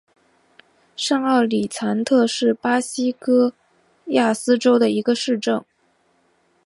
上奥里藏特是巴西戈亚斯州的一个市镇。